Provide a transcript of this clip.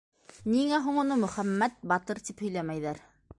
Ниңә һуң уны «Мөхәммәт батыр» тип һөйләмәйҙәр?